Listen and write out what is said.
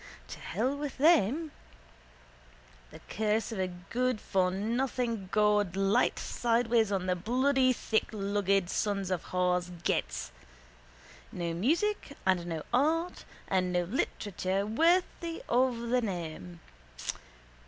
To hell with them! The curse of a goodfornothing God light sideways on the bloody thicklugged sons of whores' gets! No music and no art and no literature worthy of the name.